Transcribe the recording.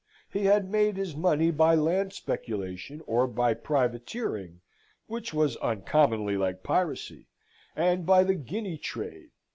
He had made his money by land speculation, or by privateering (which was uncommonly like piracy), and by the Guinea trade.